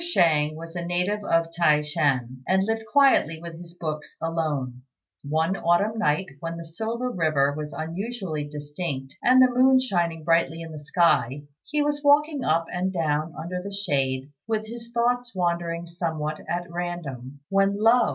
Shang was a native of T'ai shan, and lived quietly with his books alone. One autumn night when the Silver River was unusually distinct and the moon shining brightly in the sky, he was walking up and down under the shade, with his thoughts wandering somewhat at random, when lo!